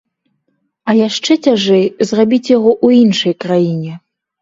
А яшчэ цяжэй зрабіць яго ў іншай краіне.